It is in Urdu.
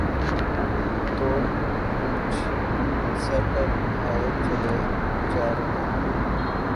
توڑ بوجھ سر پر اٹھائے چلے جا رہے ہیں